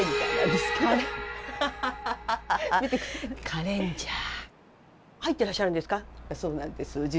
カレーンジャー。